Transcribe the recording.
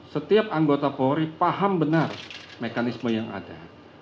setiap anggota polri paham benar mekanisme yang ada